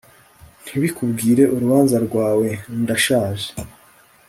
Ntibikubwire urubanza rwawe ndashaje